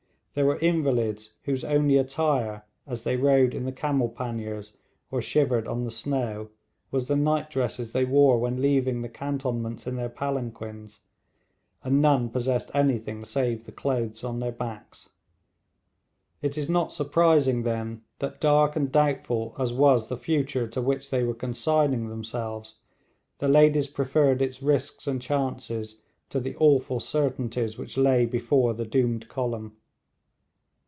There were invalids whose only attire, as they rode in the camel panniers or shivered on the snow, was the nightdresses they wore when leaving the cantonments in their palanquins, and none possessed anything save the clothes on their backs. It is not surprising, then, that dark and doubtful as was the future to which they were consigning themselves, the ladies preferred its risks and chances to the awful certainties which lay before the doomed column.